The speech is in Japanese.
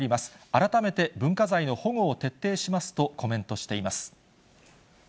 改めて文化財の保護を徹底しますとコメントしています。